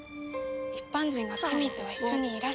一般人がケミーとは一緒にいられない。